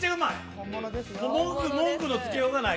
文句のつけようがない。